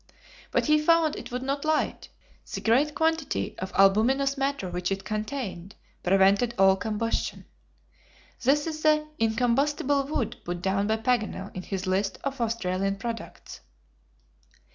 But he found it would not light, the great quantity of albuminous matter which it contained prevented all combustion. This is the incombustible wood put down by Paganel in his list of Australian products.